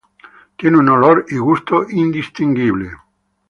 Tiene un olor y gusto indistinguible.